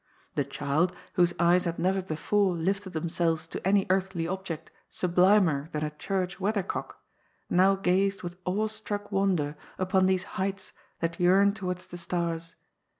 The child, whose eyes had never before lifted themselyes to any earthly object sublimer than a church weather cock, now gazed with awe struck wonder upon these heights that yearn towards the stars.